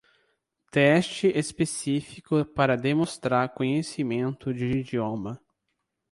Teste específico para demonstrar conhecimento de idioma.